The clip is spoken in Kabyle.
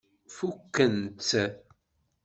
Fukken-tt?